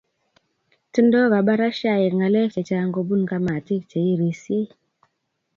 Tindo kabarashaik ngalek che chang kobun kamatik che irisie